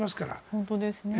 本当ですね。